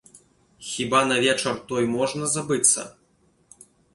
Хіба на вечар той можна забыцца?